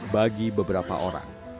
bagi beberapa orang